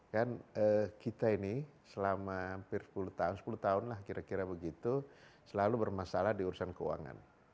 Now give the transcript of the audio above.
kan kita ini selama hampir sepuluh tahun sepuluh tahun lah kira kira begitu selalu bermasalah di urusan keuangan